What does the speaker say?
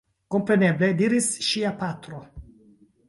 Kompreneble! diris ŝia patro.